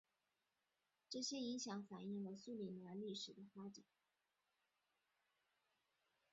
这些影响反映了苏里南历史的发展。